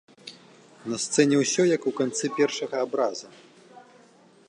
На сцэне ўсё, як у канцы першага абраза.